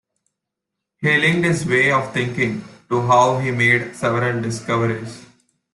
He linked his way of thinking to how he made several discoveries.